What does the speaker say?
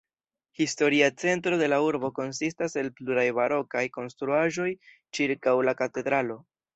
Historia centro de la urbo konsistas el pluraj barokaj konstruaĵoj ĉirkaŭ la katedralo.